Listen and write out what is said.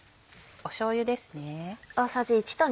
しょうゆです。